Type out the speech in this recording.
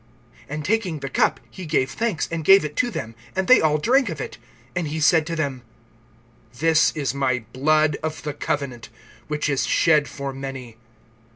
(23)And taking the cup, he gave thanks, and gave it to them; and they all drank of it. (24)And he said to them: This is my blood of the covenant, which is shed for many.